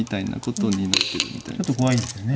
ちょっと怖いですよね。